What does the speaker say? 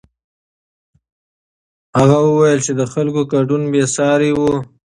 هغه وویل چې د خلکو ګډون بېساری و.